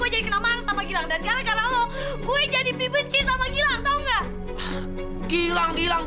jadi kenaman sama gilang dan gara gara lo gue jadi benci sama gila tau nggak gilang gilang